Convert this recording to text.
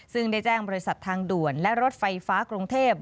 ซึ่งได้แจ้งบริษัททางด่วนและรถไฟฟ้ากรุงเทพ